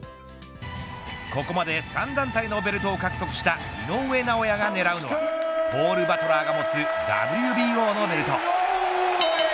ここまで３団体のベルトを獲得した井上尚弥が狙うのはポール・バトラーが持つＷＢＯのベルト。